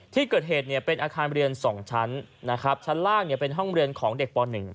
ที่เกิดเหตุเนี่ยเป็นอาคารเรียน๒ชั้นนะครับชั้นล่างเป็นห้องเรียนของเด็กป๑